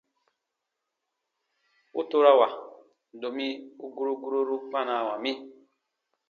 U torawa, domi u guro guroru kpanawa mi.